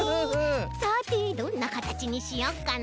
さてどんなかたちにしよっかな。